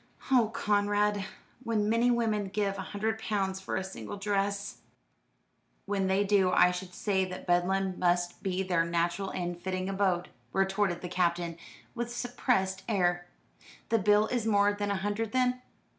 "Oh, Conrad, when many women give a hundred pounds for a single dress!" "When they do I should say that Bedlam must be their natural and fitting abode," retorted the Captain, with suppressed ire. "The bill is more than a hundred then?